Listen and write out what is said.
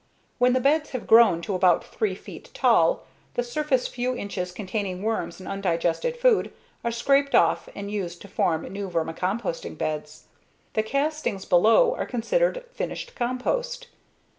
When the beds have grown to about three feet tall, the surface few inches containing worms and undigested food are scraped off and used to form new vermicomposting beds. The castings below are considered finished compost.